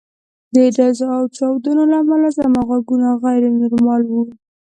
د ډزو او چاودنو له امله زما غوږونه غیر نورمال وو